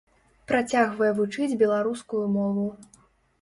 Працягвае вучыць беларускую мову.